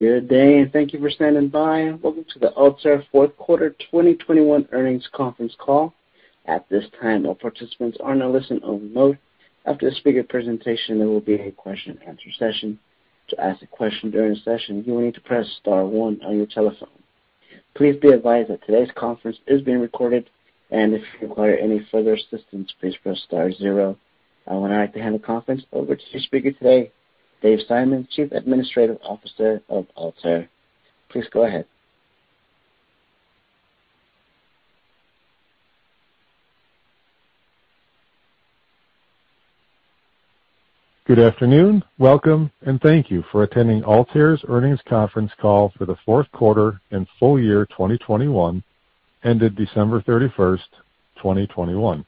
Good day, and thank you for standing by. Welcome to the Altair Fourth Quarter 2021 Earnings Conference Call. At this time, all participants are on a listen-only mode. After the speaker presentation, there will be a question-and-answer session. To ask a question during the session, you will need to press star one on your telephone. Please be advised that today's conference is being recorded, and if you require any further assistance, please press star zero. I would like to hand the conference over to speaker today, Dave Simon, Chief Administrative Officer of Altair. Please go ahead. Good afternoon, welcome, and thank you for attending Altair's earnings conference call for the fourth quarter and full year 2021, ended December 31, 2021.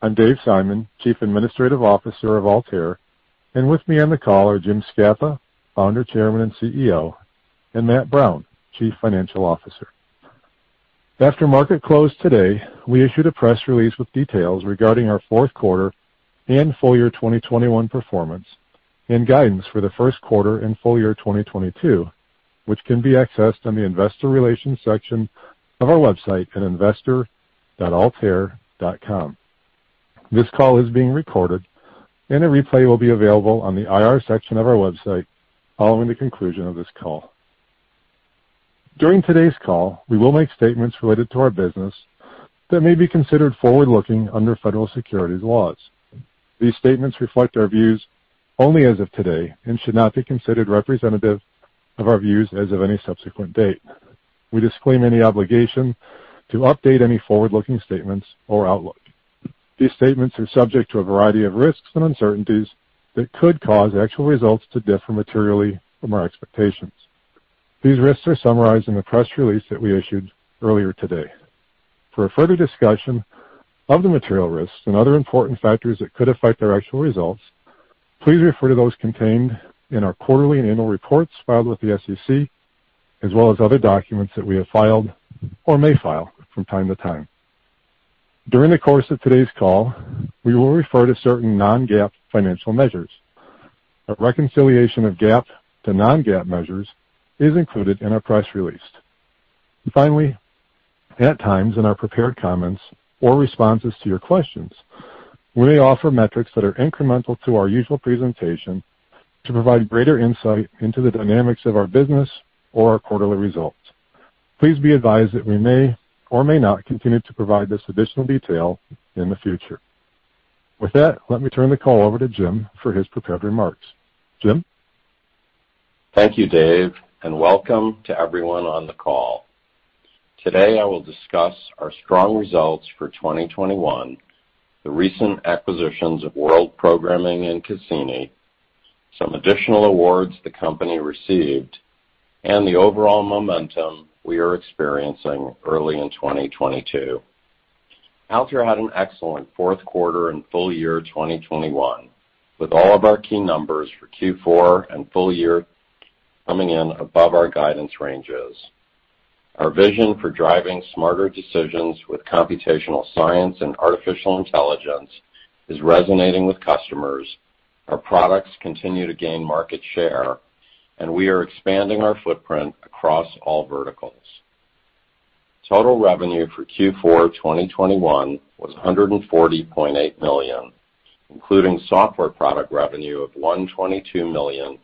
I'm Dave Simon, Chief Administrative Officer of Altair. With me on the call are Jim Scapa, Founder, Chairman, and CEO, and Matt Brown, Chief Financial Officer. After market closed today, we issued a press release with details regarding our fourth quarter and full year 2021 performance and guidance for the first quarter and full year 2022, which can be accessed on the investor relations section of our website at investor.altair.com. This call is being recorded, and a replay will be available on the IR section of our website following the conclusion of this call. During today's call, we will make statements related to our business that may be considered forward-looking under federal securities laws. These statements reflect our views only as of today and should not be considered representative of our views as of any subsequent date. We disclaim any obligation to update any forward-looking statements or outlook. These statements are subject to a variety of risks and uncertainties that could cause actual results to differ materially from our expectations. These risks are summarized in the press release that we issued earlier today. For a further discussion of the material risks and other important factors that could affect their actual results, please refer to those contained in our quarterly and annual reports filed with the SEC, as well as other documents that we have filed or may file from time to time. During the course of today's call, we will refer to certain non-GAAP financial measures. A reconciliation of GAAP to non-GAAP measures is included in our press release. Finally, at times, in our prepared comments or responses to your questions, we may offer metrics that are incremental to our usual presentation to provide greater insight into the dynamics of our business or our quarterly results. Please be advised that we may or may not continue to provide this additional detail in the future. With that, let me turn the call over to Jim for his prepared remarks. Jim? Thank you, Dave, and welcome to everyone on the call. Today, I will discuss our strong results for 2021, the recent acquisitions of World Programming and Cassini, some additional awards the company received, and the overall momentum we are experiencing early in 2022. Altair had an excellent fourth quarter and full year 2021, with all of our key numbers for Q4 and full year coming in above our guidance ranges. Our vision for driving smarter decisions with computational science and artificial intelligence is resonating with customers. Our products continue to gain market share, and we are expanding our footprint across all verticals. Total revenue for Q4 2021 was $140.8 million, including software product revenue of $122.4 million.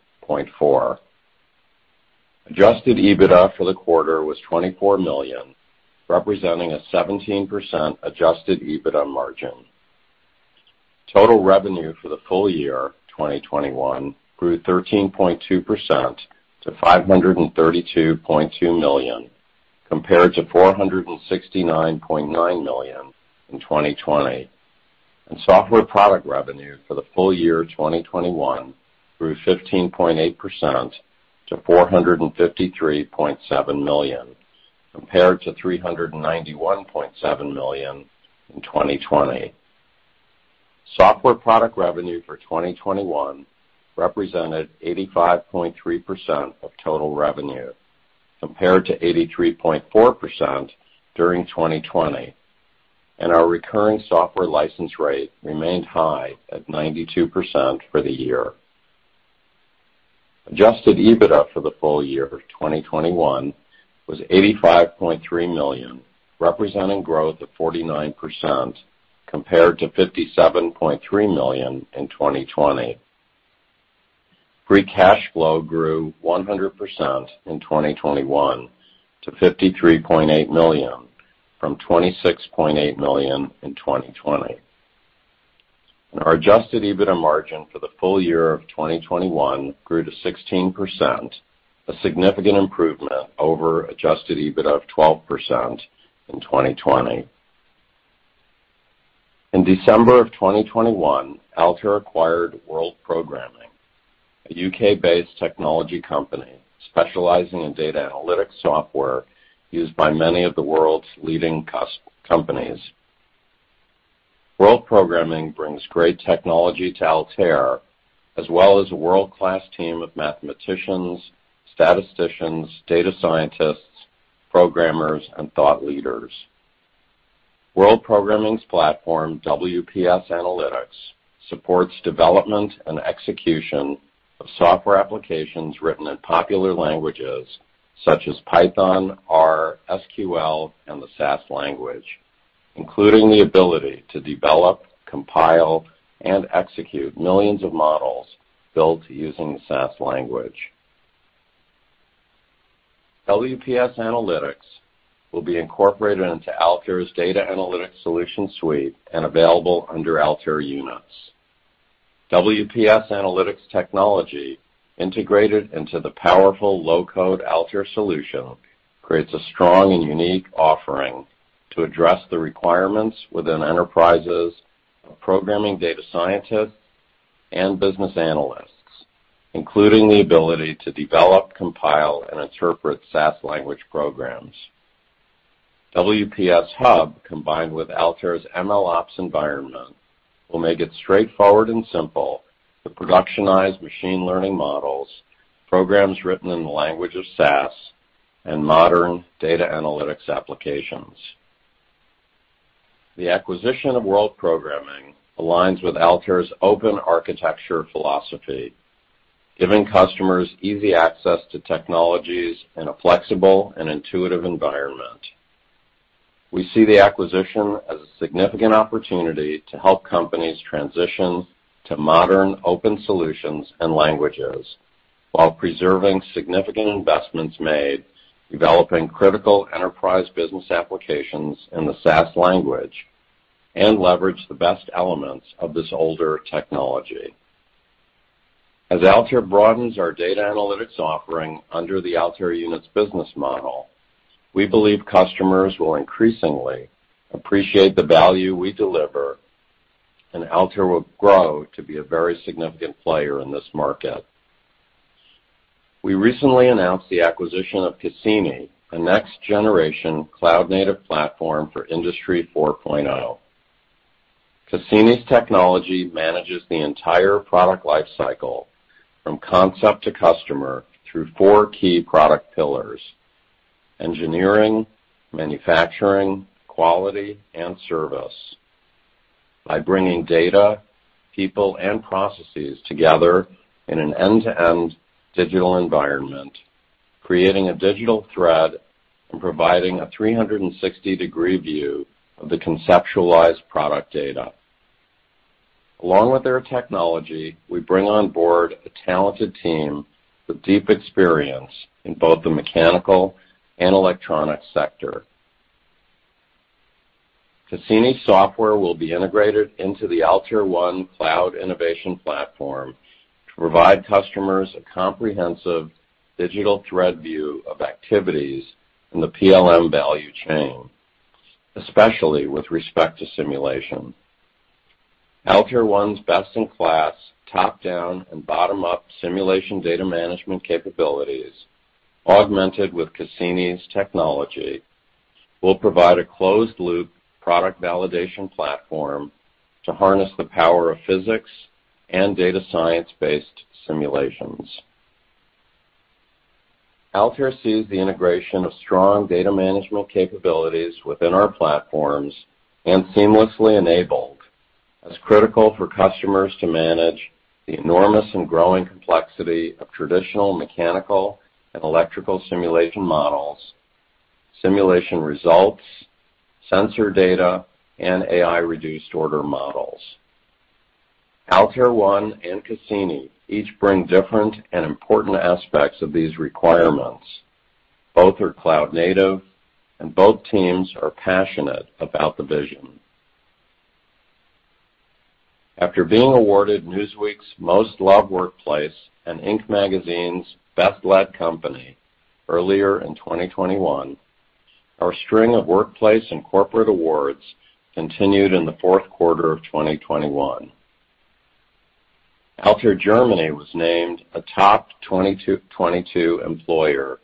Adjusted EBITDA for the quarter was $24 million, representing a 17% Adjusted EBITDA margin. Total revenue for the full year 2021 grew 13.2% to $532.2 million, compared to $469.9 million in 2020. Software product revenue for the full year 2021 grew 15.8% to $453.7 million, compared to $391.7 million in 2020. Software product revenue for 2021 represented 85.3% of total revenue, compared to 83.4% during 2020. Our recurring software license rate remained high at 92% for the year. Adjusted EBITDA for the full year of 2021 was $85.3 million, representing growth of 49%, compared to $57.3 million in 2020. Free cash flow grew 100% in 2021 to $53.8 million, from $26.8 million in 2020. Our Adjusted EBITDA margin for the full year of 2021 grew to 16%, a significant improvement over Adjusted EBITDA of 12% in 2020. In December 2021, Altair acquired World Programming, a U.K.-based technology company specializing in data analytics software used by many of the world's leading companies. World Programming brings great technology to Altair, as well as a world-class team of mathematicians, statisticians, data scientists, programmers, and thought leaders. World Programming's platform, WPS Analytics, supports development and execution of software applications written in popular languages such as Python, R, SQL, and the SAS language, including the ability to develop, compile, and execute millions of models built using the SAS language. WPS Analytics will be incorporated into Altair's data analytics solution suite and available under Altair Units. WPS Analytics technology integrated into the powerful low-code Altair solution creates a strong and unique offering to address the requirements within enterprises of programming data scientists and business analysts, including the ability to develop, compile, and interpret SAS language programs. WPS Hub, combined with Altair's MLOps environment, will make it straightforward and simple to productionize machine learning models, programs written in the language of SAS, and modern data analytics applications. The acquisition of World Programming aligns with Altair's open architecture philosophy, giving customers easy access to technologies in a flexible and intuitive environment. We see the acquisition as a significant opportunity to help companies transition to modern open solutions and languages while preserving significant investments made developing critical enterprise business applications in the SAS language and leverage the best elements of this older technology. As Altair broadens our data analytics offering under the Altair Units business model, we believe customers will increasingly appreciate the value we deliver, and Altair will grow to be a very significant player in this market. We recently announced the acquisition of Cassini, a next-generation cloud-native platform for Industry 4.0. Cassini's technology manages the entire product life cycle from concept to customer through four key product pillars, engineering, manufacturing, quality, and service by bringing data, people, and processes together in an end-to-end digital environment, creating a digital thread, and providing a 360-degree view of the conceptualized product data. Along with their technology, we bring on board a talented team with deep experience in both the mechanical and electronic sector. Cassini software will be integrated into the Altair One cloud innovation platform to provide customers a comprehensive digital thread view of activities in the PLM value chain, especially with respect to simulation. Altair One's best-in-class, top-down, and bottom-up simulation data management capabilities, augmented with Cassini's technology, will provide a closed-loop product validation platform to harness the power of physics and data science-based simulations. Altair sees the integration of strong data management capabilities within our platforms and seamlessly enabled as critical for customers to manage the enormous and growing complexity of traditional mechanical and electrical simulation models, simulation results, sensor data, and AI reduced order models. Altair One and Cassini each bring different and important aspects of these requirements. Both are cloud native, and both teams are passionate about the vision. After being awarded Newsweek's Most Loved Workplaces and Inc. magazine's Best-Led Companies earlier in 2021, our string of workplace and corporate awards continued in the fourth quarter of 2021. Altair Germany was named a top 22 employer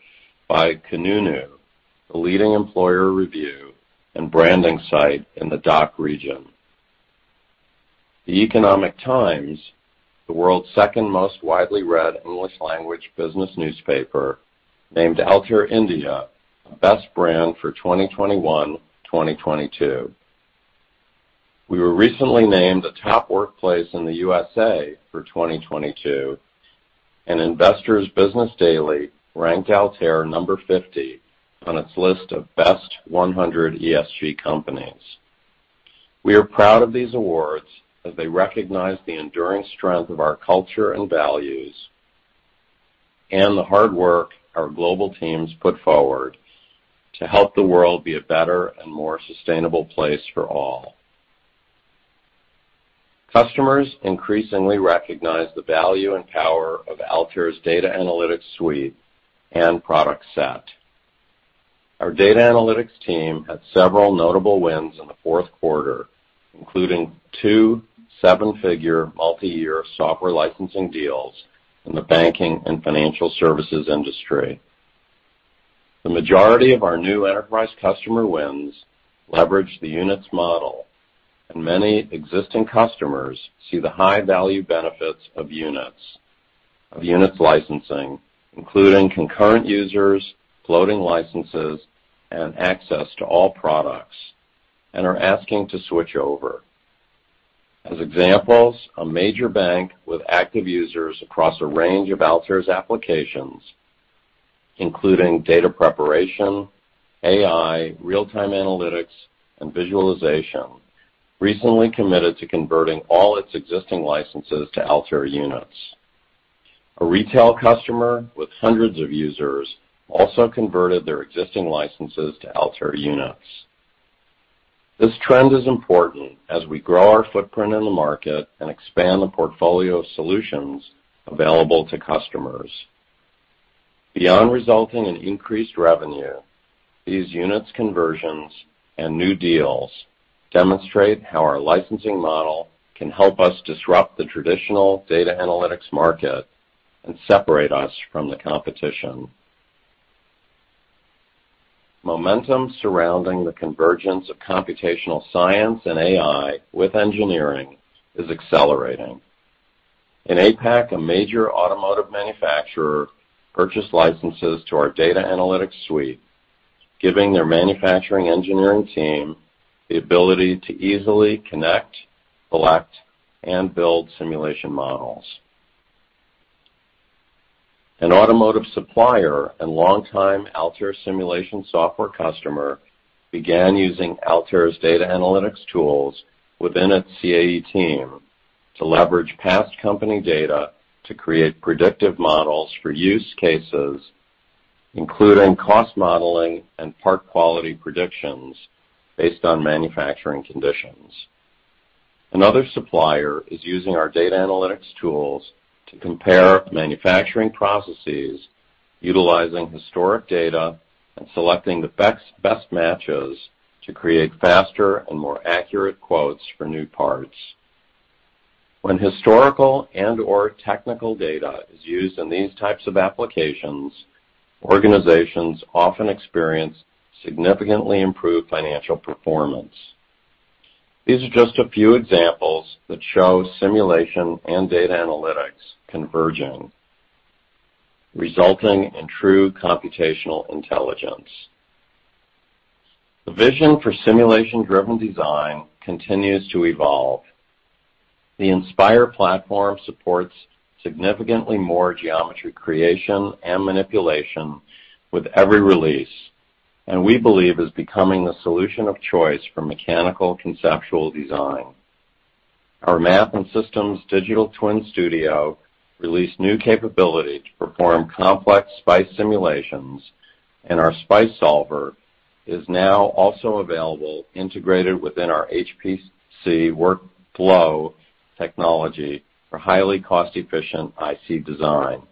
by kununu, a leading employer review and branding site in the DACH region. The Economic Times, the world's second most widely read English language business newspaper, named Altair India a Best Brand for 2021, 2022. We were recently named a top workplace in the USA for 2022, and Investor's Business Daily ranked Altair number 50 on its list of best 100 ESG companies. We are proud of these awards as they recognize the enduring strength of our culture and values and the hard work our global teams put forward to help the world be a better and more sustainable place for all. Customers increasingly recognize the value and power of Altair's data analytics suite and product set. Our data analytics team had several notable wins in the fourth quarter, including two seven-figure multi-year software licensing deals in the banking and financial services industry. The majority of our new enterprise customer wins leveraged the Units model. Many existing customers see the high-value benefits of Units licensing, including concurrent users, floating licenses, and access to all products, and are asking to switch over. As examples, a major bank with active users across a range of Altair's applications, including data preparation, AI, real-time analytics, and visualization, recently committed to converting all its existing licenses to Altair Units. A retail customer with hundreds of users also converted their existing licenses to Altair Units. This trend is important as we grow our footprint in the market and expand the portfolio of solutions available to customers. Beyond resulting in increased revenue, these units conversions and new deals demonstrate how our licensing model can help us disrupt the traditional data analytics market and separate us from the competition. Momentum surrounding the convergence of computational science and AI with engineering is accelerating. In APAC, a major automotive manufacturer purchased licenses to our data analytics suite, giving their manufacturing engineering team the ability to easily connect, collect, and build simulation models. An automotive supplier and longtime Altair simulation software customer began using Altair's data analytics tools within its CAE team to leverage past company data to create predictive models for use cases, including cost modeling and part quality predictions based on manufacturing conditions. Another supplier is using our data analytics tools to compare manufacturing processes utilizing historic data and selecting the best matches to create faster and more accurate quotes for new parts. When historical and/or technical data is used in these types of applications, organizations often experience significantly improved financial performance. These are just a few examples that show simulation and data analytics converging, resulting in true computational intelligence. The vision for simulation-driven design continues to evolve. The Inspire platform supports significantly more geometry creation and manipulation with every release, and we believe is becoming the solution of choice for mechanical conceptual design. Our Math and Systems Digital Twin Studio released new capability to perform complex SPICE simulations, and our SPICE Solver is now also available integrated within our HPC workflow technology for highly cost-efficient IC design.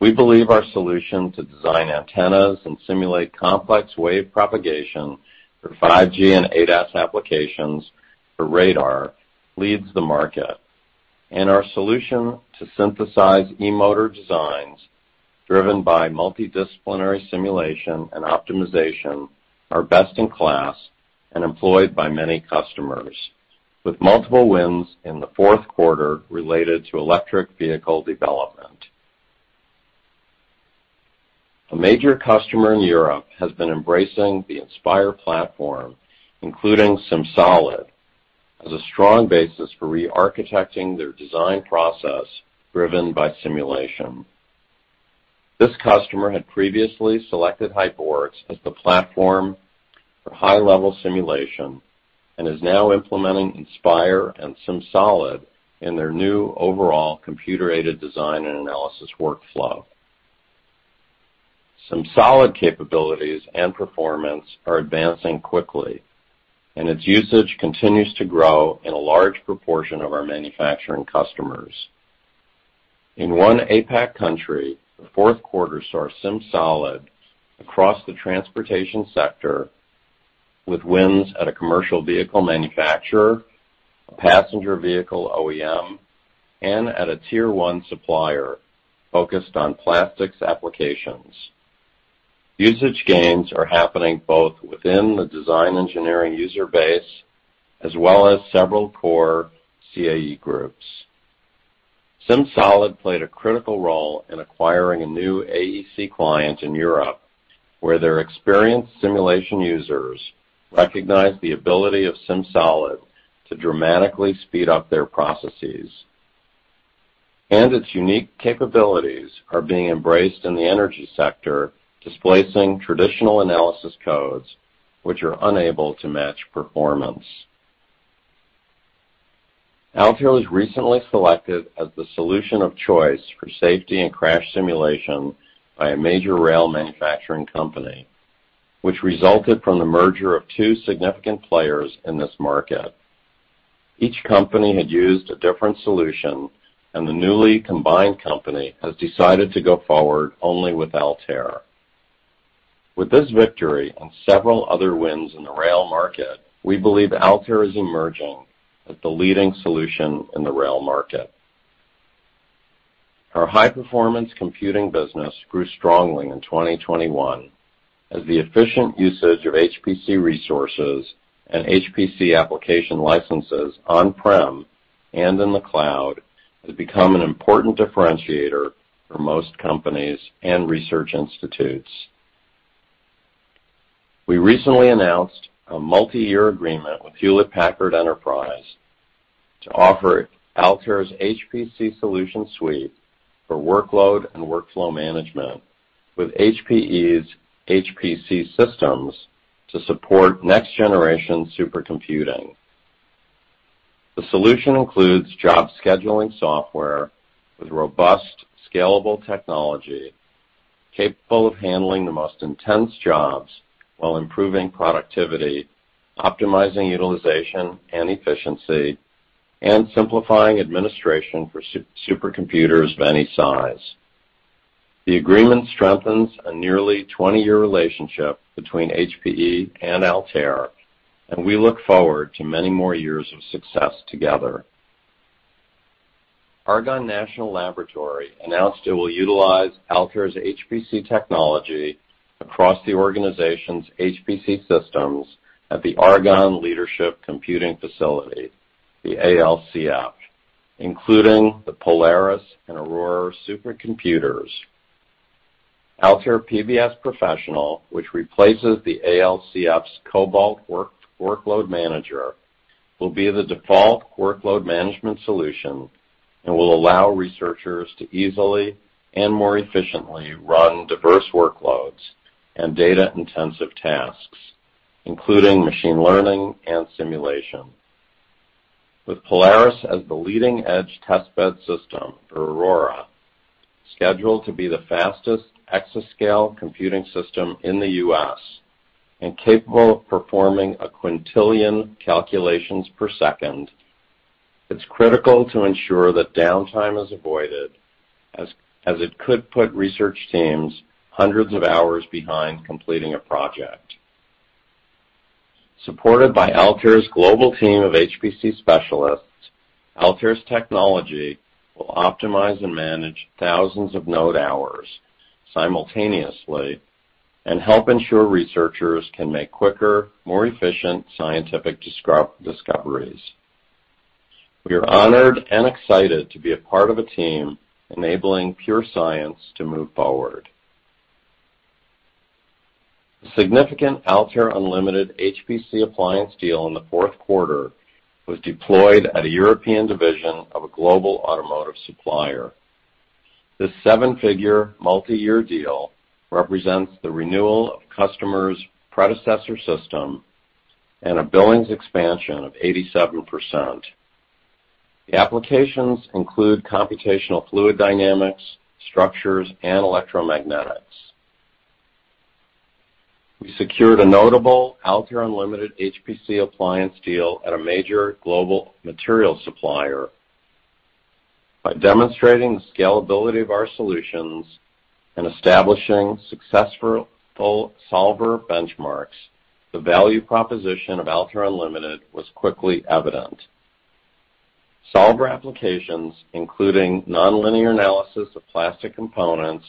We believe our solution to design antennas and simulate complex wave propagation for 5G and ADAS applications for radar leads the market. Our solution to synthesize e-motor designs driven by multidisciplinary simulation and optimization are best in class and employed by many customers, with multiple wins in the fourth quarter related to electric vehicle development. A major customer in Europe has been embracing the Inspire platform, including SimSolid, as a strong basis for re-architecting their design process driven by simulation. This customer had previously selected HyperWorks as the platform for high-level simulation and is now implementing Inspire and SimSolid in their new overall computer-aided design and analysis workflow. SimSolid capabilities and performance are advancing quickly, and its usage continues to grow in a large proportion of our manufacturing customers. In one APAC country, the fourth quarter saw SimSolid across the transportation sector with wins at a commercial vehicle manufacturer, a passenger vehicle OEM, and at a tier one supplier focused on plastics applications. Usage gains are happening both within the design engineering user base as well as several core CAE groups. SimSolid played a critical role in acquiring a new AEC client in Europe, where their experienced simulation users recognized the ability of SimSolid to dramatically speed up their processes. Its unique capabilities are being embraced in the energy sector, displacing traditional analysis codes which are unable to match performance. Altair was recently selected as the solution of choice for safety and crash simulation by a major rail manufacturing company, which resulted from the merger of two significant players in this market. Each company had used a different solution, and the newly combined company has decided to go forward only with Altair. With this victory and several other wins in the rail market, we believe Altair is emerging as the leading solution in the rail market. Our high performance computing business grew strongly in 2021 as the efficient usage of HPC resources and HPC application licenses on-prem and in the cloud has become an important differentiator for most companies and research institutes. We recently announced a multi-year agreement with Hewlett Packard Enterprise to offer Altair's HPC solution suite for workload and workflow management with HPE's HPC systems to support next generation supercomputing. The solution includes job scheduling software with robust, scalable technology capable of handling the most intense jobs while improving productivity, optimizing utilization and efficiency, and simplifying administration for supercomputers of any size. The agreement strengthens a nearly 20-year relationship between HPE and Altair, and we look forward to many more years of success together. Argonne National Laboratory announced it will utilize Altair's HPC technology across the organization's HPC systems at the Argonne Leadership Computing Facility, the ALCF, including the Polaris and Aurora supercomputers. Altair PBS Professional, which replaces the ALCF's Cobalt Workload Manager, will be the default workload management solution and will allow researchers to easily and more efficiently run diverse workloads and data intensive tasks, including machine learning and simulation. With Polaris as the leading edge testbed system for Aurora, scheduled to be the fastest exascale computing system in the U.S. and capable of performing a quintillion calculations per second, it's critical to ensure that downtime is avoided, as it could put research teams hundreds of hours behind completing a project. Supported by Altair's global team of HPC specialists, Altair's technology will optimize and manage thousands of node hours simultaneously and help ensure researchers can make quicker, more efficient scientific discoveries. We are honored and excited to be a part of a team enabling pure science to move forward. A significant Altair Unlimited HPC appliance deal in the fourth quarter was deployed at a European division of a global automotive supplier. This seven-figure multi-year deal represents the renewal of customers' predecessor system and a billings expansion of 87%. The applications include computational fluid dynamics, structures, and electromagnetics. We secured a notable Altair Unlimited HPC appliance deal at a major global material supplier. By demonstrating the scalability of our solutions and establishing successful solver benchmarks, the value proposition of Altair Unlimited was quickly evident. Solver applications including nonlinear analysis of plastic components,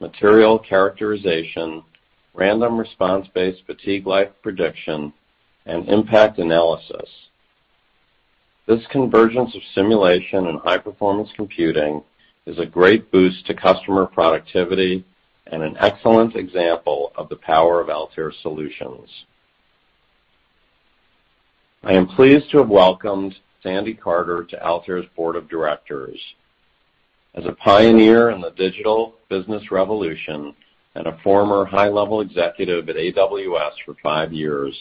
material characterization, random response-based fatigue life prediction, and impact analysis. This convergence of simulation and high-performance computing is a great boost to customer productivity and an excellent example of the power of Altair solutions. I am pleased to have welcomed Sandy Carter to Altair's board of directors. As a pioneer in the digital business revolution and a former high-level executive at AWS for five years,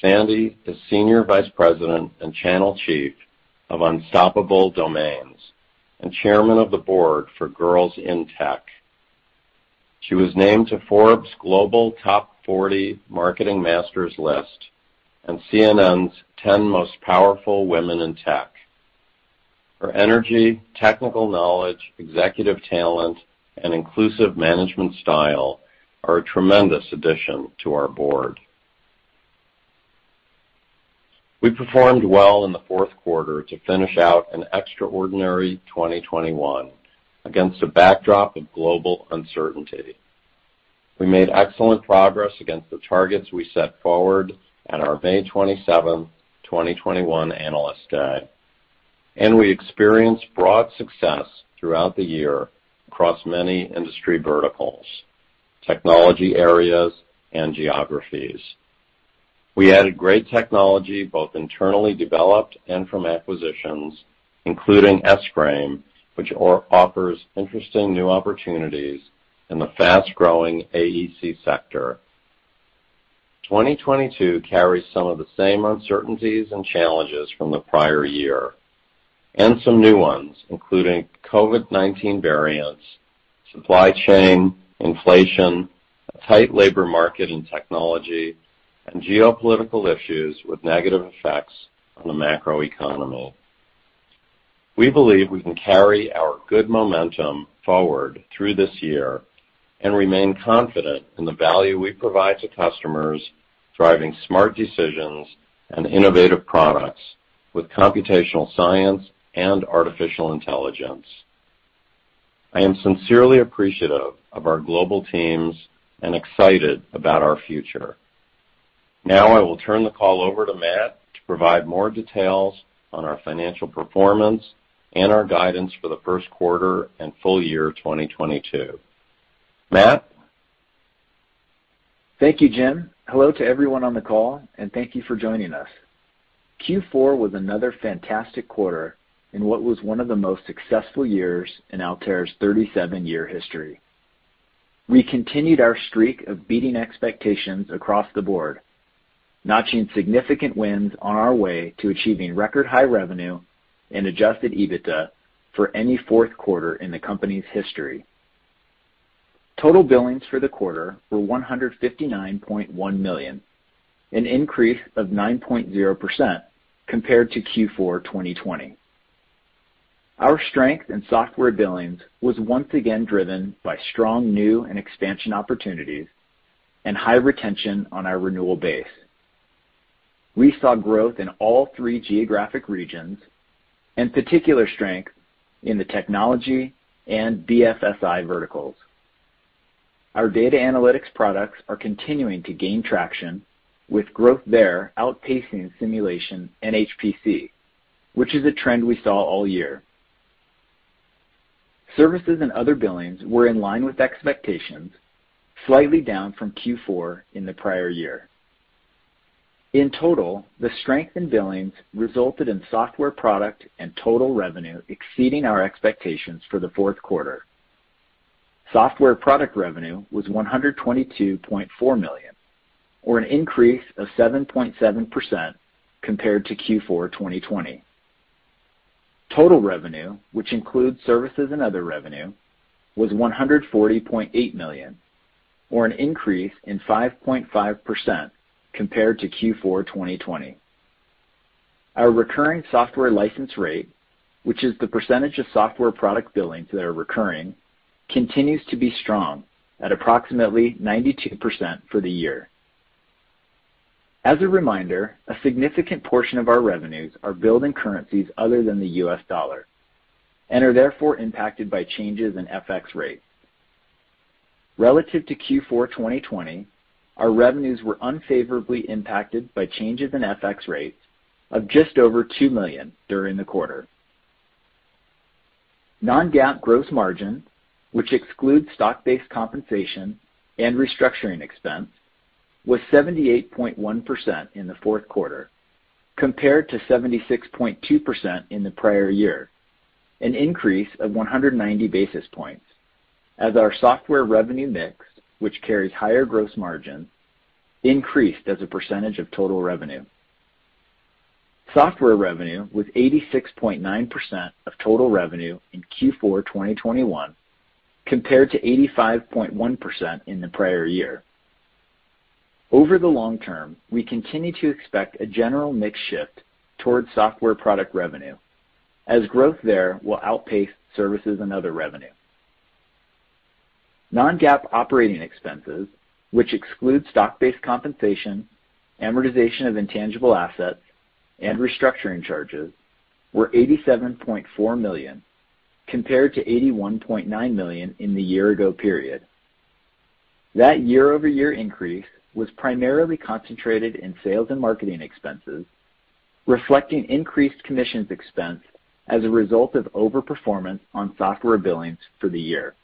Sandy is Senior Vice President and Channel Chief of Unstoppable Domains and Chairman of the Board for Girls in Tech. She was named to Forbes Global Top 40 Marketing Masters list and CNN's 10 Most Powerful Women in Tech. Her energy, technical knowledge, executive talent, and inclusive management style are a tremendous addition to our board. We performed well in the fourth quarter to finish out an extraordinary 2021 against a backdrop of global uncertainty. We made excellent progress against the targets we set forward at our May 27, 2021 Analyst Day, and we experienced broad success throughout the year across many industry verticals, technology areas and geographies. We added great technology, both internally developed and from acquisitions, including S-FRAME, which offers interesting new opportunities in the fast-growing AEC sector. 2022 carries some of the same uncertainties and challenges from the prior year, and some new ones, including COVID-19 variants, supply chain, inflation, a tight labor market in technology, and geopolitical issues with negative effects on the macroeconomy. We believe we can carry our good momentum forward through this year and remain confident in the value we provide to customers. Driving smart decisions and innovative products with computational science and artificial intelligence. I am sincerely appreciative of our global teams and excited about our future. Now I will turn the call over to Matt to provide more details on our financial performance and our guidance for the first quarter and full year 2022. Matt? Thank you, Jim. Hello to everyone on the call, and thank you for joining us. Q4 was another fantastic quarter in what was one of the most successful years in Altair's 37-year history. We continued our streak of beating expectations across the board, notching significant wins on our way to achieving record high revenue and Adjusted EBITDA for any fourth quarter in the company's history. Total billings for the quarter were $159.1 million, an increase of 9.0% compared to Q4 2020. Our strength in software billings was once again driven by strong new and expansion opportunities and high retention on our renewal base. We saw growth in all three geographic regions and particular strength in the technology and BFSI verticals. Our data analytics products are continuing to gain traction with growth there outpacing simulation and HPC, which is a trend we saw all year. Services and other billings were in line with expectations, slightly down from Q4 in the prior year. In total, the strength in billings resulted in software product and total revenue exceeding our expectations for the fourth quarter. Software product revenue was $122.4 million, or an increase of 7.7% compared to Q4 2020. Total revenue, which includes services and other revenue, was $148.8 million, or an increase in 5.5% compared to Q4 2020. Our recurring software license rate, which is the percentage of software product billings that are recurring, continues to be strong at approximately 92% for the year. As a reminder, a significant portion of our revenues are billed in currencies other than the US dollar and are therefore impacted by changes in FX rates. Relative to Q4 2020, our revenues were unfavorably impacted by changes in FX rates of just over $2 million during the quarter. Non-GAAP gross margin, which excludes stock-based compensation and restructuring expense, was 78.1% in the fourth quarter, compared to 76.2% in the prior year, an increase of 190 basis points, as our software revenue mix, which carries higher gross margin, increased as a percentage of total revenue. Software revenue was 86.9% of total revenue in Q4 2021, compared to 85.1% in the prior year. Over the long term, we continue to expect a general mix shift towards software product revenue as growth there will outpace services and other revenue. Non-GAAP operating expenses, which excludes stock-based compensation, amortization of intangible assets, and restructuring charges, were $87.4 million, compared to $81.9 million in the year ago period. That YoY increase was primarily concentrated in sales and marketing expenses, reflecting increased commissions expense as a result of overperformance on software billings for the year.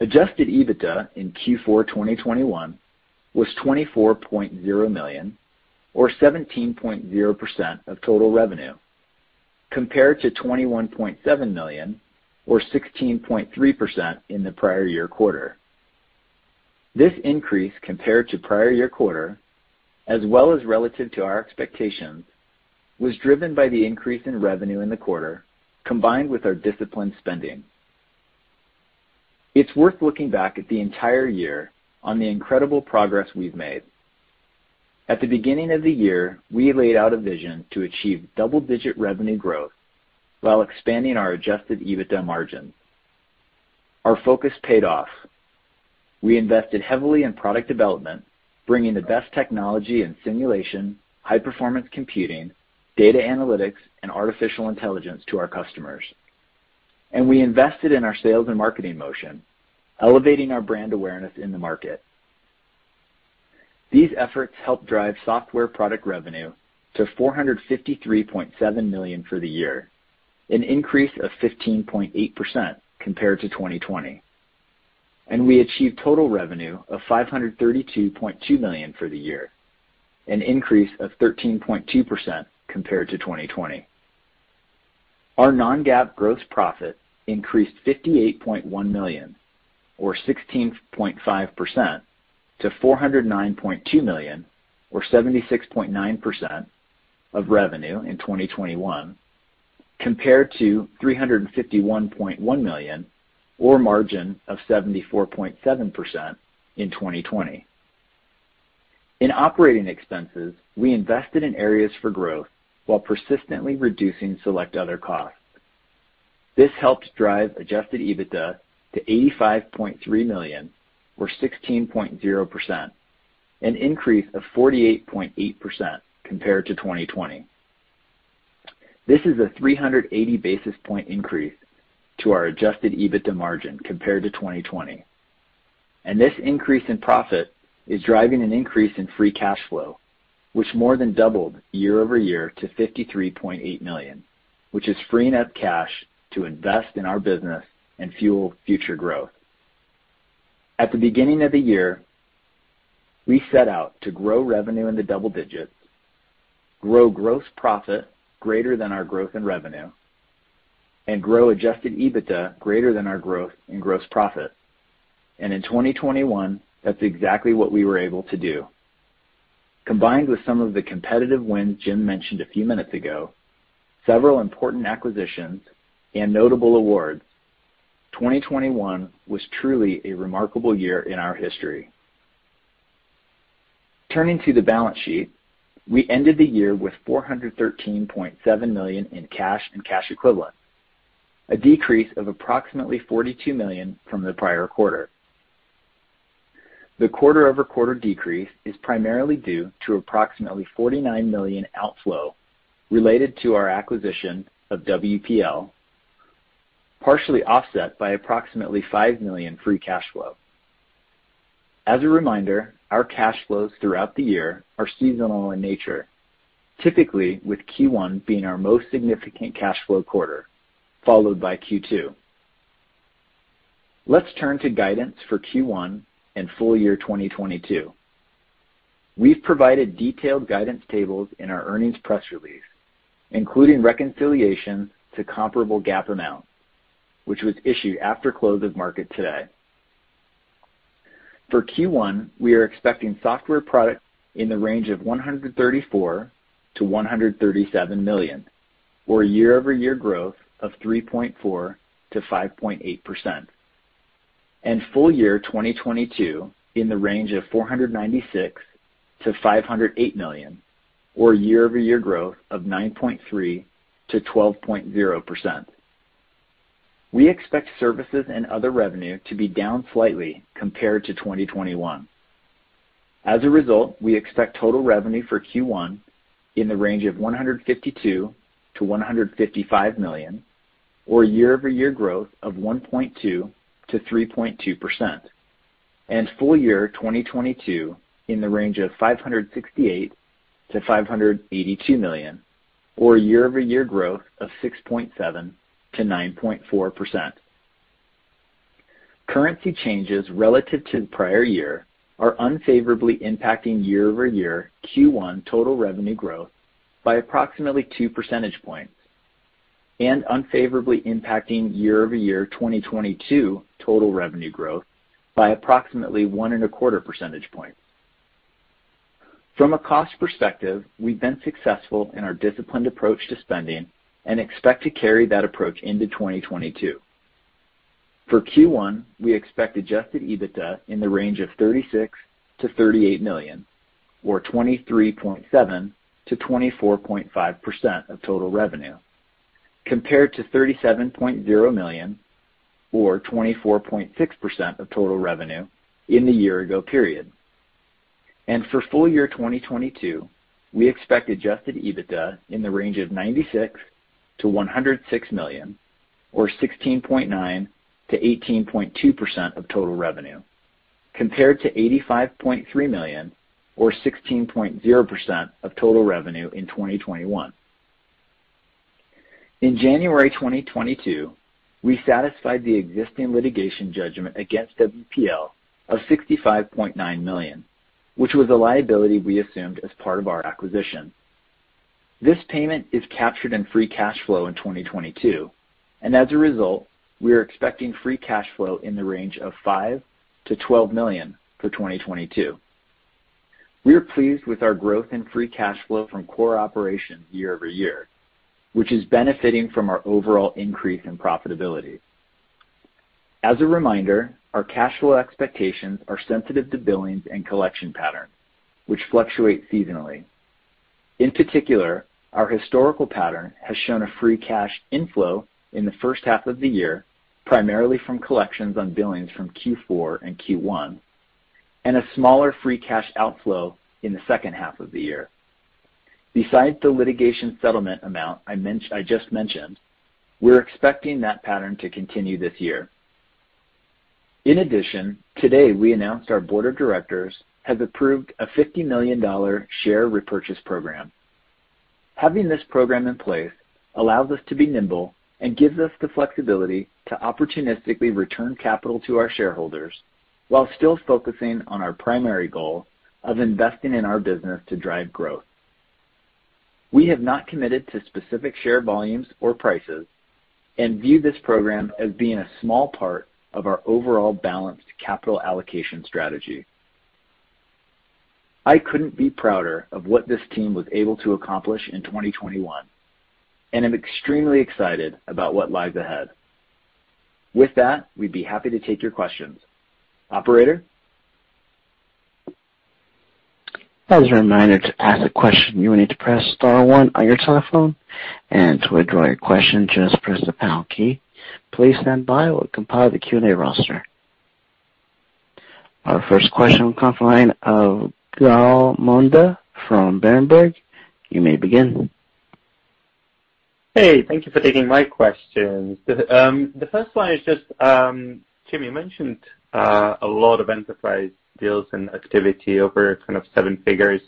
Adjusted EBITDA in Q4 2021 was $24.0 million, or 17.0% of total revenue, compared to $21.7 million, or 16.3% in the prior year quarter. This increase compared to prior year quarter as well as relative to our expectations, was driven by the increase in revenue in the quarter, combined with our disciplined spending. It's worth looking back at the entire year on the incredible progress we've made. At the beginning of the year, we laid out a vision to achieve double-digit revenue growth while expanding our Adjusted EBITDA margins. Our focus paid off. We invested heavily in product development, bringing the best technology and simulation, high-performance computing, data analytics, and artificial intelligence to our customers. We invested in our sales and marketing motion, elevating our brand awareness in the market. These efforts helped drive software product revenue to $453.7 million for the year, an increase of 15.8% compared to 2020. We achieved total revenue of $532.2 million for the year, an increase of 13.2% compared to 2020. Our non-GAAP gross profit increased $58.1 million, or 16.5% to $409.2 million, or 76.9% of revenue in 2021, compared to $351.1 million, or margin of 74.7% in 2020. In operating expenses, we invested in areas for growth while persistently reducing select other costs. This helped drive Adjusted EBITDA to $85.3 million, or 16.0%, an increase of 48.8% compared to 2020. This is a 380 basis point increase to our Adjusted EBITDA margin compared to 2020. This increase in profit is driving an increase in free cash flow, which more than doubled YoY to $53.8 million, which is freeing up cash to invest in our business and fuel future growth. At the beginning of the year, we set out to grow revenue into double digits, grow gross profit greater than our growth in revenue, and grow Adjusted EBITDA greater than our growth in gross profit. In 2021, that's exactly what we were able to do. Combined with some of the competitive wins Jim mentioned a few minutes ago, several important acquisitions, and notable awards, 2021 was truly a remarkable year in our history. Turning to the balance sheet, we ended the year with $413.7 million in cash and cash equivalents, a decrease of approximately $42 million from the prior quarter. The QoQ decrease is primarily due to approximately $49 million outflow related to our acquisition of WPL, partially offset by approximately $5 million free cash flow. As a reminder, our cash flows throughout the year are seasonal in nature, typically with Q1 being our most significant cash flow quarter, followed by Q2. Let's turn to guidance for Q1 and full year 2022. We've provided detailed guidance tables in our earnings press release, including reconciliation to comparable GAAP amounts, which was issued after close of market today. For Q1, we are expecting software products in the range of $134 million-$137 million, or a YoY growth of 3.4%-5.8%. Full year 2022 in the range of $496 million-$508 million, or YoY growth of 9.3%-12.0%. We expect services and other revenue to be down slightly compared to 2021. As a result, we expect total revenue for Q1 in the range of $152 million-$155 million, or YoY growth of 1.2%-3.2%. Full year 2022 in the range of $568 million-$582 million, or YoY growth of 6.7%-9.4%. Currency changes relative to the prior year are unfavorably impacting YoY Q1 total revenue growth by approximately two percentage points, and unfavorably impacting YoY 2022 total revenue growth by approximately one and a quarter percentage point. From a cost perspective, we've been successful in our disciplined approach to spending and expect to carry that approach into 2022. For Q1, we expect Adjusted EBITDA in the range of $36 million-$38 million or 23.7%-24.5% of total revenue, compared to $37.0 million or 24.6% of total revenue in the year ago period. For full year 2022, we expect Adjusted EBITDA in the range of $96 million-$106 million or 16.9%-18.2% of total revenue, compared to $85.3 million or 16.0% of total revenue in 2021. In January 2022, we satisfied the existing litigation judgment against WPL of $65.9 million, which was a liability we assumed as part of our acquisition. This payment is captured in free cash flow in 2022, and as a result, we are expecting free cash flow in the range of $5 million-$12 million for 2022. We are pleased with our growth in free cash flow from core operations YoY, which is benefiting from our overall increase in profitability. As a reminder, our cash flow expectations are sensitive to billings and collection patterns, which fluctuate seasonally. In particular, our historical pattern has shown a free cash inflow in the first half of the year, primarily from collections on billings from Q4 and Q1, and a smaller free cash outflow in the second half of the year. Besides the litigation settlement amount I just mentioned, we're expecting that pattern to continue this year. In addition, today we announced our board of directors has approved a $50 million share repurchase program. Having this program in place allows us to be nimble and gives us the flexibility to opportunistically return capital to our shareholders while still focusing on our primary goal of investing in our business to drive growth. We have not committed to specific share volumes or prices and view this program as being a small part of our overall balanced capital allocation strategy. I couldn't be prouder of what this team was able to accomplish in 2021, and I'm extremely excited about what lies ahead. With that, we'd be happy to take your questions. Operator? As a reminder, to ask a question, you will need to press star one on your telephone, and to withdraw your question, just press the pound key. Please stand by while we compile the Q&A roster. Our first question will come from the line of Gal Munda from Berenberg. You may begin. Hey, thank you for taking my questions. The first one is just, Jim, you mentioned a lot of enterprise deals and activity over kind of seven figures,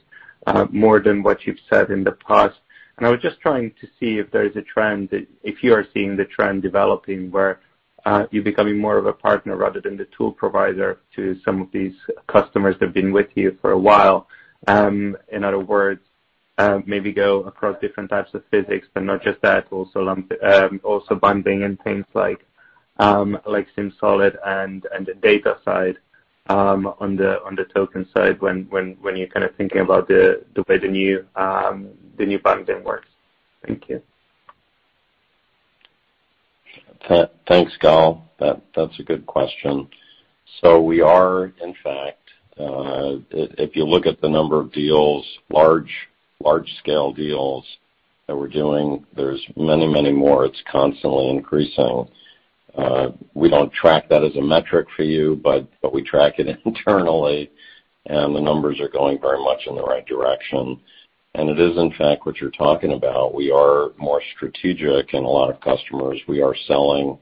more than what you've said in the past. I was just trying to see if there is a trend, if you are seeing the trend developing where, you're becoming more of a partner rather than the tool provider to some of these customers that have been with you for a while. In other words, maybe go across different types of physics, but not just that, also bundling in things like SimSolid and the data side, on the token side when you're kind of thinking about the way the new bundling works. Thank you. Thanks, Gal. That's a good question. We are, in fact, if you look at the number of deals, large scale deals that we're doing, there's many more. It's constantly increasing. We don't track that as a metric for you, but we track it internally and the numbers are going very much in the right direction. It is in fact what you're talking about. We are more strategic in a lot of customers. We are selling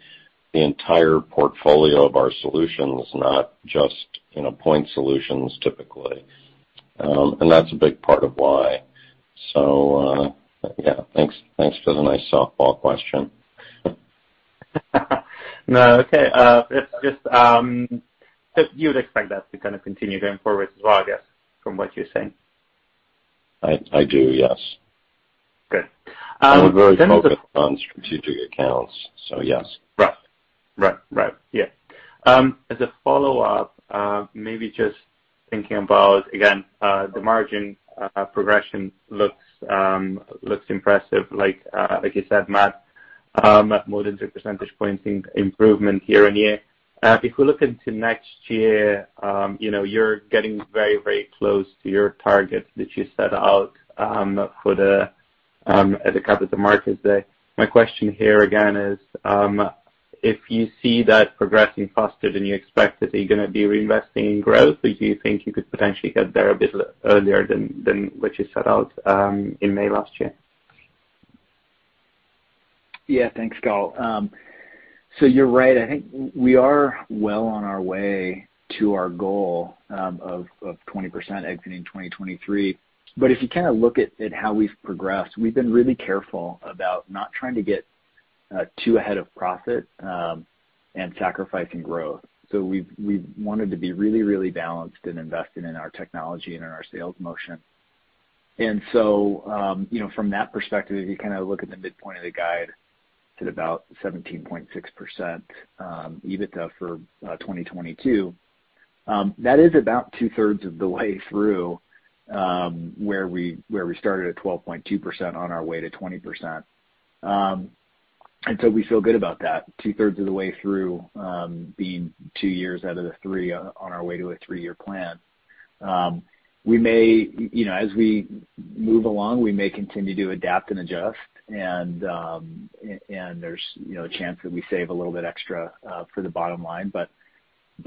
the entire portfolio of our solutions, not just, you know, point solutions typically. That's a big part of why. Yeah. Thanks for the nice softball question. No. Okay. You would expect that to kind of continue going forward as well, I guess, from what you're saying? I do, yes. Okay. We're very focused on strategic accounts, so yes. Right. Yeah. As a follow-up, maybe just thinking about, again, the margin progression looks impressive, like you said, Matt, more than two percentage points improvement YoY. If we look into next year, you know, you're getting very, very close to your target that you set out at the Capital Markets Day. My question here again is, if you see that progressing faster than you expected, are you gonna be reinvesting in growth or do you think you could potentially get there a bit earlier than what you set out in May last year? Yeah. Thanks, Gal. So you're right. I think we are well on our way to our goal of 20% exiting 2023. If you kinda look at how we've progressed, we've been really careful about not trying to get too ahead of profit and sacrificing growth. We've wanted to be really balanced in investing in our technology and in our sales motion. You know, from that perspective, if you kinda look at the midpoint of the guide to about 17.6% EBITDA for 2022, that is about two-thirds of the way through where we started at 12.2% on our way to 20%. We feel good about that. Two-thirds of the way through, being two years out of the three on our way to a three-year plan. We may, you know, as we move along, we may continue to adapt and adjust. There's, you know, a chance that we save a little bit extra for the bottom line, but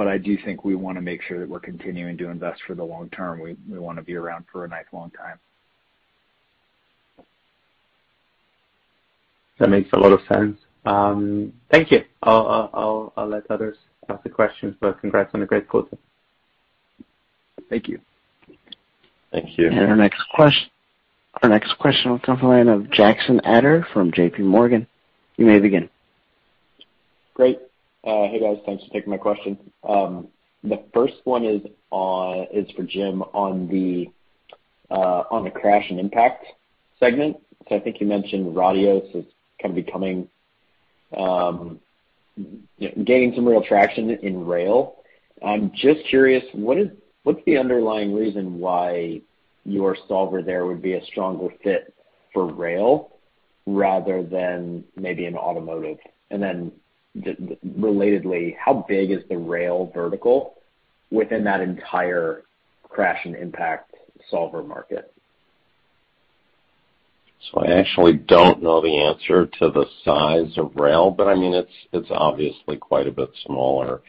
I do think we wanna make sure that we're continuing to invest for the long term. We wanna be around for a nice long time. That makes a lot of sense. Thank you. I'll let others ask the questions, but congrats on a great quarter. Thank you. Thank you. Our next question will come from the line of Jackson Ader from JP Morgan. You may begin. Great. Hey, guys. Thanks for taking my question. The first one is for Jim on the crash and impact segment, because I think you mentioned Radioss is kind of becoming, you know, gaining some real traction in rail. I'm just curious, what's the underlying reason why your solver there would be a stronger fit for rail rather than maybe in automotive? And then relatedly, how big is the rail vertical within that entire crash and impact solver market? I actually don't know the answer to the size of rail, but I mean, it's obviously quite a bit smaller.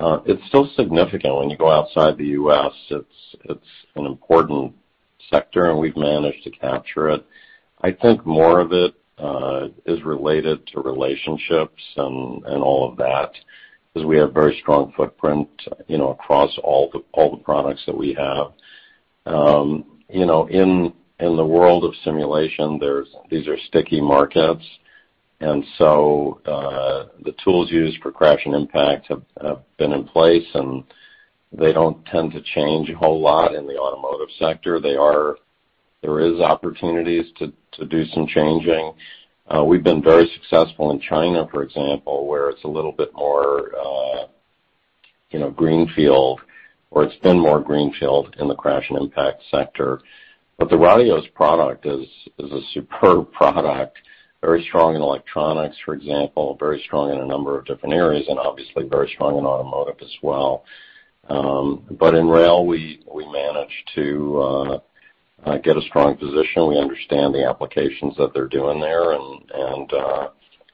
It's still significant. When you go outside the U.S., it's an important sector, and we've managed to capture it. I think more of it is related to relationships and all of that, 'cause we have very strong footprint, you know, across all the products that we have. You know, in the world of simulation, these are sticky markets. The tools used for crash and impact have been in place, and they don't tend to change a whole lot in the automotive sector. There is opportunities to do some changing. We've been very successful in China, for example, where it's a little bit more, you know, greenfield, or it's been more greenfield in the crash and impact sector. The Radioss product is a superb product, very strong in electronics, for example, very strong in a number of different areas, and obviously very strong in automotive as well. In rail, we manage to get a strong position. We understand the applications that they're doing there, and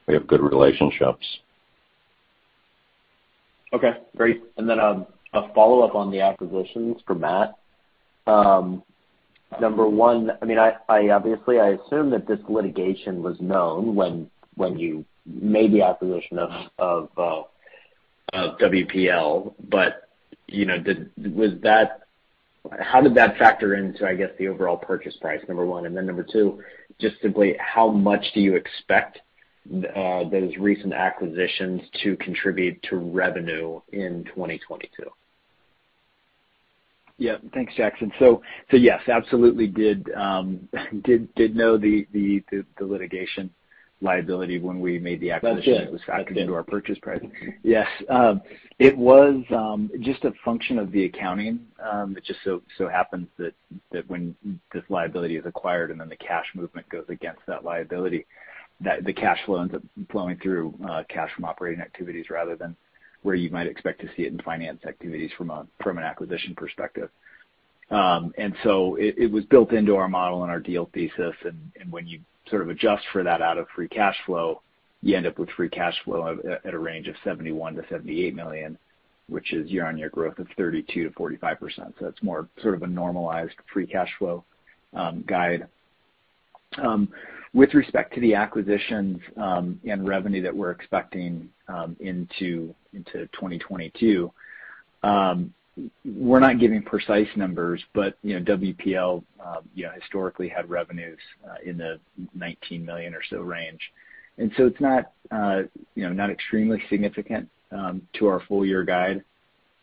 we have good relationships. Okay, great. A follow-up on the acquisitions for Matt. Number one, I mean, I obviously assume that this litigation was known when you made the acquisition of WPL. But, you know, how did that factor into, I guess, the overall purchase price, number one? Number two, just simply how much do you expect those recent acquisitions to contribute to revenue in 2022? Yeah. Thanks, Jackson. Yes, absolutely did know the litigation liability when we made the acquisition. Gotcha. It was factored into our purchase price. Yes. It was just a function of the accounting. It just so happens that when this liability is acquired and then the cash movement goes against that liability, that the cash flow ends up flowing through cash from operating activities rather than where you might expect to see it in finance activities from an acquisition perspective. It was built into our model and our deal thesis and when you sort of adjust for that out of free cash flow, you end up with free cash flow at a range of $71 million-$78 million, which is YoY growth of 32%-45%. That's more sort of a normalized free cash flow guide. With respect to the acquisitions and revenue that we're expecting into 2022, we're not giving precise numbers, but you know, WPL you know, historically had revenues in the $19 million or so range. It's not extremely significant to our full year guide,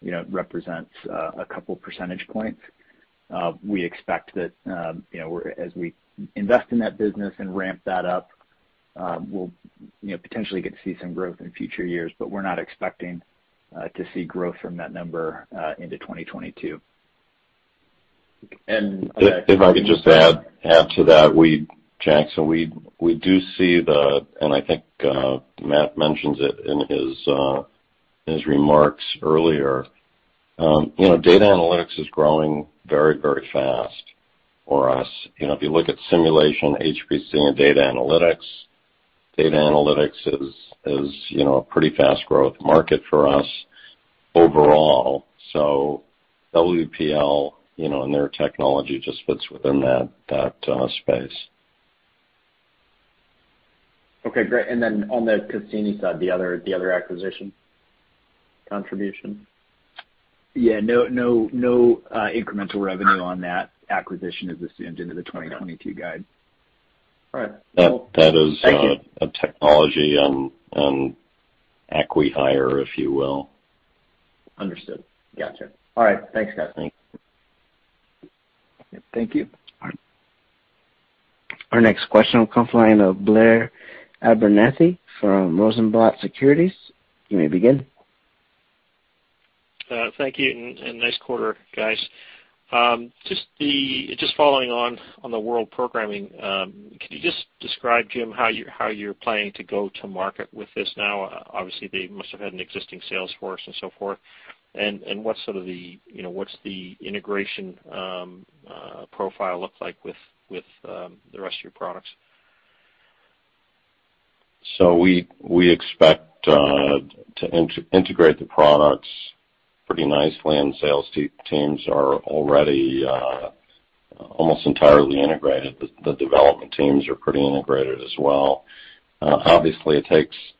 you know, represents a couple percentage points. We expect that you know, as we invest in that business and ramp that up, we'll you know, potentially get to see some growth in future years, but we're not expecting to see growth from that number into 2022. And, uh- If I could just add to that, Jackson, we do see that. I think Matt mentioned it in his remarks earlier. You know, data analytics is growing very fast for us. You know, if you look at simulation, HPC and data analytics, data analytics is, you know, a pretty fast growth market for us overall. WPL, you know, and their technology just fits within that space. Okay, great. On the Cassini side, the other acquisition contribution. Yeah. No, no, incremental revenue on that acquisition as it stands into the 2022 guide. All right. Cool. That is. Thank you. a technology acquihire, if you will. Understood. Gotcha. All right. Thanks, guys. Thank you. Thank you. All right. Our next question will come from the line of Blair Abernethy from Rosenblatt Securities. You may begin. Thank you and nice quarter, guys. Just following on the World Programming, could you just describe, Jim, how you're planning to go to market with this now? Obviously, they must have had an existing sales force and so forth. What sort of the, you know, what's the integration profile look like with the rest of your products? We expect to integrate the products pretty nicely, and sales teams are already almost entirely integrated. The development teams are pretty integrated as well. Obviously, it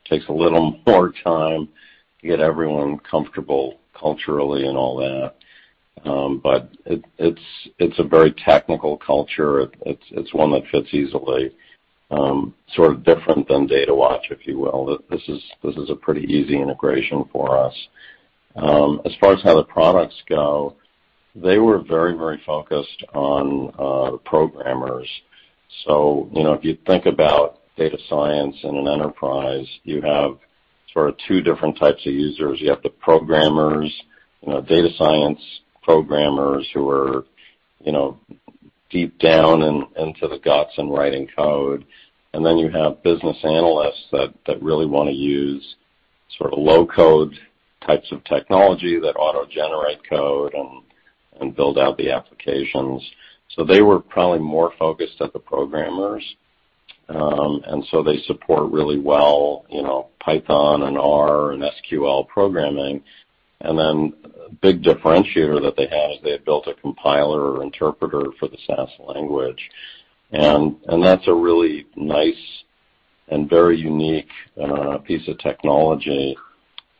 takes a little more time to get everyone comfortable culturally and all that. It's a very technical culture. It's one that fits easily, sort of different than Datawatch, if you will. This is a pretty easy integration for us. As far as how the products go, they were very, very focused on the programmers. You know, if you think about data science in an enterprise, you have sort of two different types of users. You have the programmers, you know, data science programmers who are, you know, deep down into the guts and writing code. Then you have business analysts that really wanna use sort of low code types of technology that auto-generate code and build out the applications. They were probably more focused on the programmers. They support really well, you know, Python and R and SQL programming. Then a big differentiator that they had is they had built a compiler or interpreter for the SAS language. That's a really nice and very unique piece of technology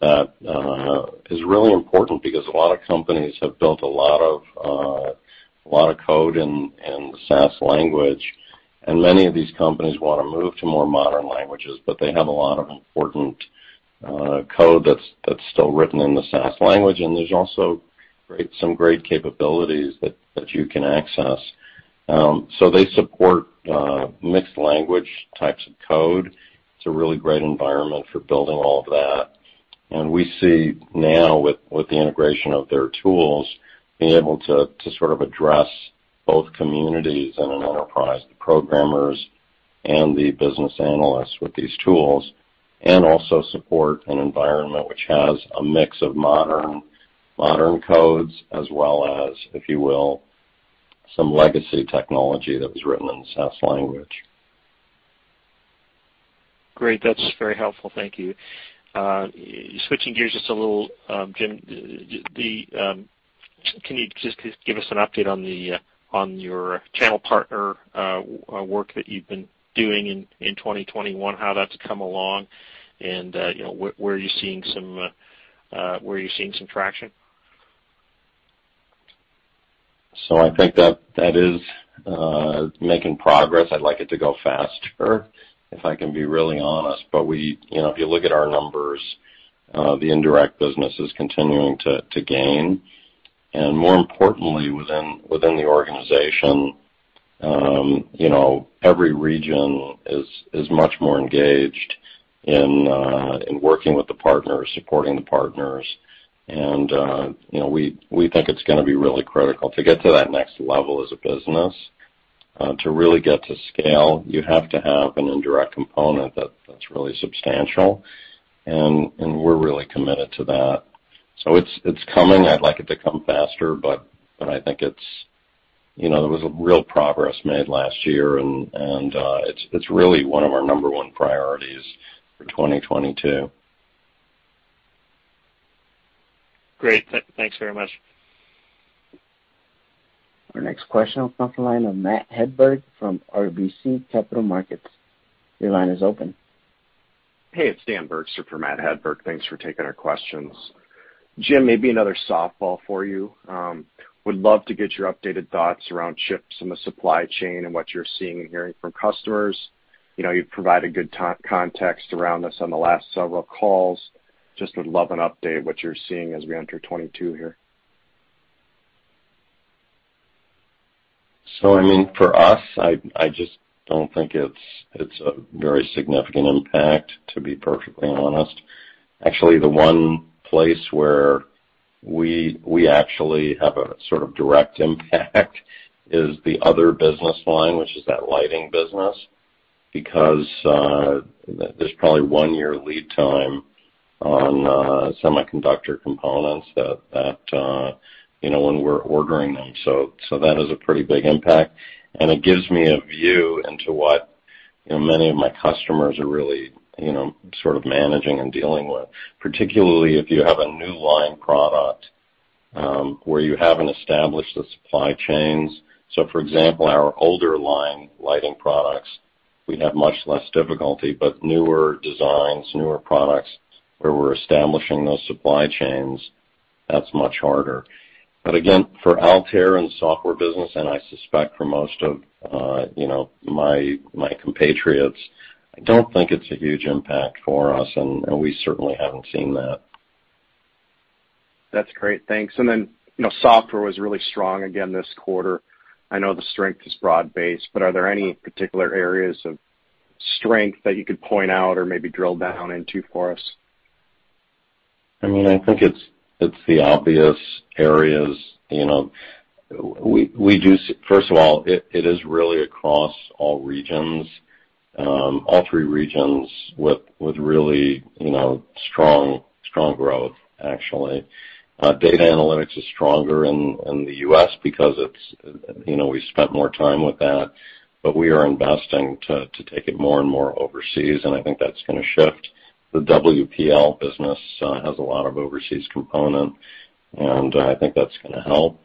that is really important because a lot of companies have built a lot of code in SAS language, and many of these companies wanna move to more modern languages, but they have a lot of important code that's still written in the SAS language. There's also some great capabilities that you can access. They support mixed language types of code. It's a really great environment for building all of that. We see now with the integration of their tools being able to sort of address both communities and an enterprise, the programmers and the business analysts with these tools, and also support an environment which has a mix of modern codes as well as, if you will, some legacy technology that was written in SAS language. Great. That's very helpful. Thank you. Switching gears just a little, Jim, can you just give us an update on your channel partner work that you've been doing in 2021, how that's come along, and you know, where are you seeing some traction? I think that is making progress. I'd like it to go faster, if I can be really honest. We, you know, if you look at our numbers, the indirect business is continuing to gain. More importantly, within the organization, you know, every region is much more engaged in working with the partners, supporting the partners. You know, we think it's gonna be really critical to get to that next level as a business. To really get to scale, you have to have an indirect component that's really substantial and we're really committed to that. It's coming. I'd like it to come faster, but I think it's, you know, there was real progress made last year and it's really one of our number one priorities for 2022. Great. Thanks very much. Our next question will come from the line of Matt Hedberg from RBC Capital Markets. Your line is open. Hey, it's Dan Bergstrom for Matt Hedberg. Thanks for taking our questions. Jim, maybe another softball for you. Would love to get your updated thoughts around chips in the supply chain and what you're seeing and hearing from customers. You know, you've provided good context around this on the last several calls. Just would love an update on what you're seeing as we enter 2022 here. I mean, for us, I just don't think it's a very significant impact, to be perfectly honest. Actually, the one place where we actually have a sort of direct impact is the other business line, which is that lighting business, because there's probably one-year lead time on semiconductor components that you know, when we're ordering them. That is a pretty big impact. It gives me a view into what you know, many of my customers are really you know, sort of managing and dealing with, particularly if you have a new line product where you haven't established the supply chains. For example, our older line lighting products, we have much less difficulty, but newer designs, newer products where we're establishing those supply chains, that's much harder. Again, for Altair and software business, and I suspect for most of, you know, my compatriots, I don't think it's a huge impact for us, and we certainly haven't seen that. That's great. Thanks. You know, software was really strong again this quarter. I know the strength is broad-based, but are there any particular areas of strength that you could point out or maybe drill down into for us? I mean, I think it's the obvious areas. You know, we do first of all, it is really across all regions, all three regions with really, you know, strong growth, actually. Data analytics is stronger in the U.S. because it's, you know, we've spent more time with that, but we are investing to take it more and more overseas, and I think that's gonna shift. The WPL business has a lot of overseas component, and I think that's gonna help.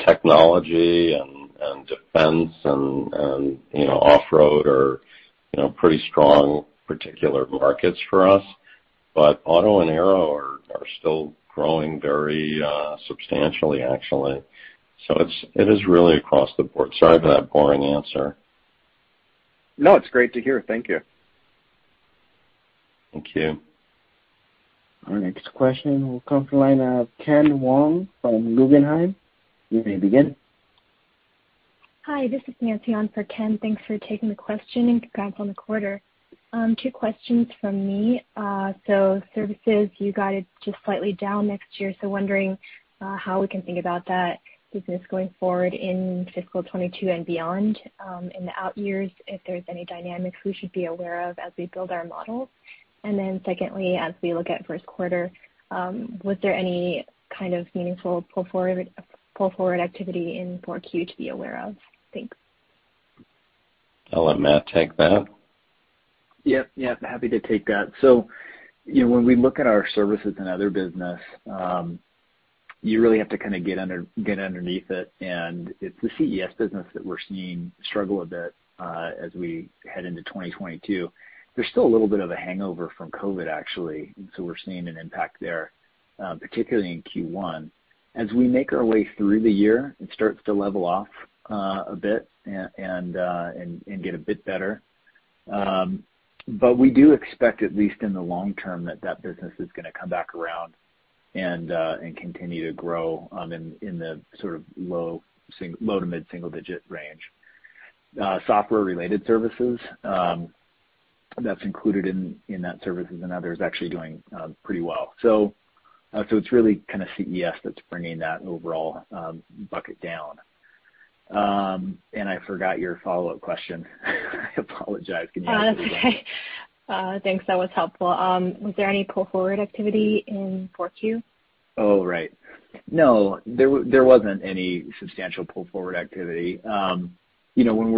Technology and defense and you know, off-road are, you know, pretty strong particular markets for us. Auto and aero are still growing very substantially, actually. It is really across the board. Sorry for that boring answer. No, it's great to hear. Thank you. Thank you. Our next question will come from the line of Ken Wong from Guggenheim. You may begin. Hi, this is Nancy on for Ken. Thanks for taking the question, and congrats on the quarter. Two questions from me. Services, you guided just slightly down next year. Wondering how we can think about that business going forward in fiscal 2022 and beyond, in the out years, if there's any dynamics we should be aware of as we build our models. Secondly, as we look at first quarter, was there any kind of meaningful pull forward activity in Q4 to be aware of? Thanks. I'll let Matt take that. Yep. Happy to take that. You know, when we look at our services and other business, you really have to kind of get underneath it. It's the CES business that we're seeing struggle a bit as we head into 2022. There's still a little bit of a hangover from COVID, actually, so we're seeing an impact there, particularly in Q1. As we make our way through the year, it starts to level off a bit and get a bit better. But we do expect, at least in the long term, that that business is gonna come back around and continue to grow in the sort of low to mid-single digit range. Software-related services, that's included in that services and others is actually doing pretty well. It's really kinda CES that's bringing that overall bucket down. I forgot your follow-up question. I apologize. Can you ask it again? Thanks. That was helpful. Was there any pull-forward activity in 4Q? Oh, right. No, there wasn't any substantial pull-forward activity. You know, when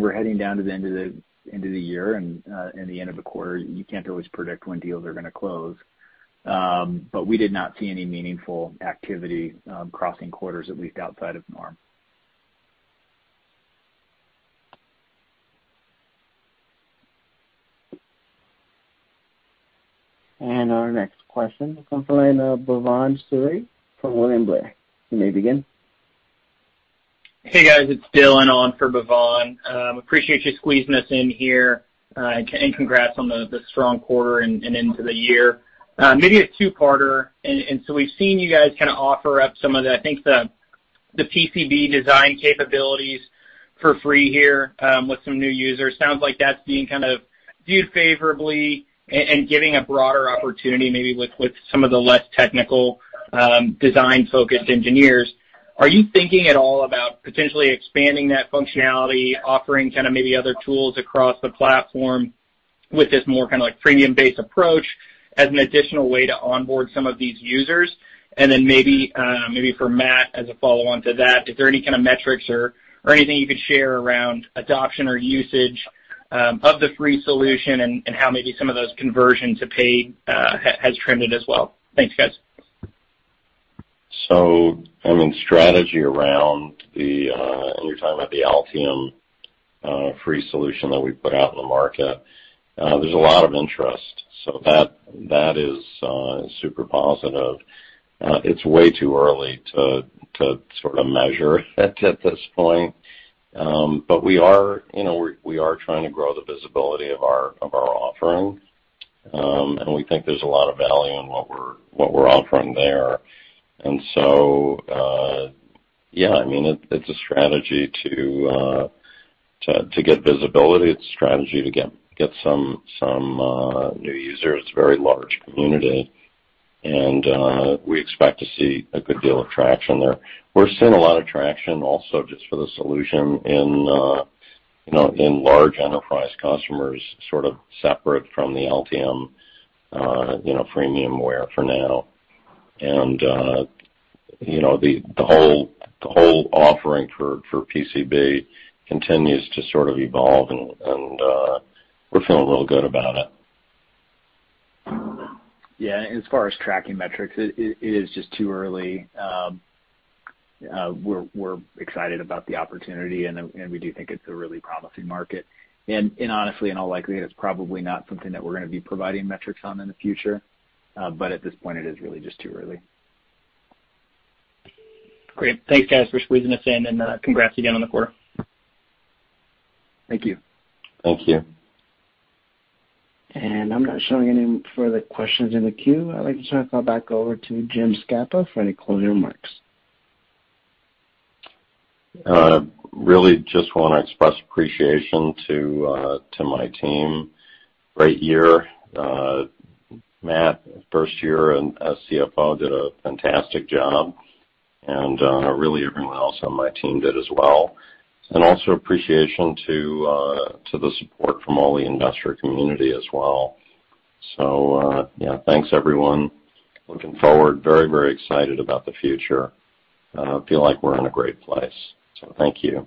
we're heading down to the end of the year and the end of the quarter, you can't always predict when deals are gonna close. But we did not see any meaningful activity crossing quarters, at least outside of norm. Our next question will come from Bhavan Suri from William Blair. You may begin. Hey, guys. It's Dylan on for Bhavan. Appreciate you squeezing us in here, and congrats on the strong quarter and into the year. Maybe a two-parter. We've seen you guys kinda offer up some of the, I think, the PCB design capabilities for free here with some new users. Sounds like that's being kind of viewed favorably and getting a broader opportunity maybe with some of the less technical design-focused engineers. Are you thinking at all about potentially expanding that functionality, offering kinda maybe other tools across the platform with this more kinda like freemium-based approach as an additional way to onboard some of these users? Maybe for Matt, as a follow-on to that, is there any kinda metrics or anything you could share around adoption or usage of the free solution and how some of those conversion to paid has trended as well? Thanks, guys. I mean, strategy around the and you're talking about the Altium free solution that we put out in the market. There's a lot of interest, so that is super positive. It's way too early to sort of measure it at this point. We are, you know, trying to grow the visibility of our offering, and we think there's a lot of value in what we're offering there. Yeah, I mean, it's a strategy to get visibility. It's a strategy to get some new users. It's a very large community, and we expect to see a good deal of traction there. We're seeing a lot of traction also just for the solution in large enterprise customers, sort of separate from the Altium freemium ware for now. The whole offering for PCB continues to sort of evolve, and we're feeling real good about it. Yeah. As far as tracking metrics, it is just too early. We're excited about the opportunity and we do think it's a really promising market. Honestly, in all likelihood, it's probably not something that we're gonna be providing metrics on in the future. At this point, it is really just too early. Great. Thanks, guys, for squeezing us in and, congrats again on the quarter. Thank you. Thank you. I'm not showing any further questions in the queue. I'd like to turn the call back over to Jim Scapa for any closing remarks. Really just wanna express appreciation to my team. Great year. Matt, first year as CFO, did a fantastic job. Really everyone else on my team did as well. Also appreciation to the support from all the investor community as well. Yeah, thanks, everyone. Looking forward. Very, very excited about the future. Feel like we're in a great place, so thank you.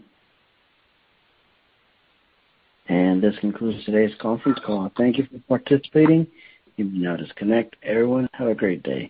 This concludes today's conference call. Thank you for participating. You may now disconnect. Everyone, have a great day.